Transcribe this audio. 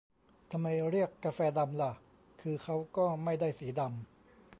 ทำไมเรียกกาแฟดำล่ะ คือเค้าก็ไม่ได้สีดำ